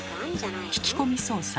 聞き込み捜査。